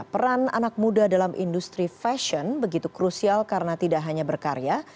peran anak muda dalam industri fashion begitu krusial karena tidak hanya berkarya